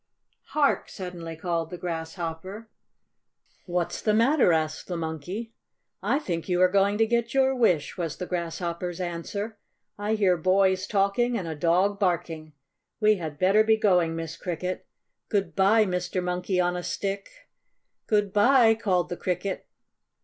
"Hark!" suddenly called the Grasshopper. "What's the matter?" asked the Monkey. "I think you are going to get your wish," was the Grasshopper's answer. "I hear boys talking and a dog barking. We had better be going, Miss Cricket. Good bye, Mr. Monkey on a Stick!" "Good bye," called the Cricket.